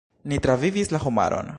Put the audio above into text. "Ni travivis la homaron."